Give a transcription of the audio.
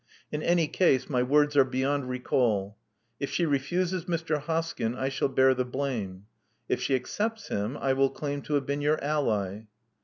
In any case, my words are beyond recall. If she refuses Mr. Hoskyn, I shall bear the blame. If she accepts him, I will claim to have been your ally."